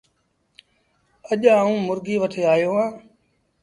اَڄ آئوٚݩ مرگي وٺي آيو اهآݩ